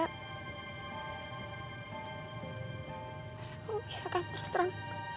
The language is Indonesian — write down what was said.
pada kamu bisa kan terus terang